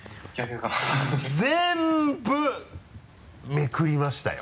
全部めくりましたよ。